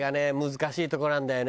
難しいとこなんだよね。